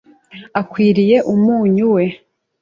akwiriye umunyu we.